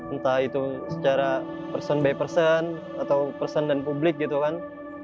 entah itu secara person by person atau person dan publik gitu kan